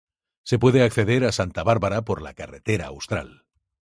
Se puede acceder a Santa Bárbara por la Carretera Austral.